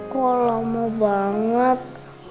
kok lama banget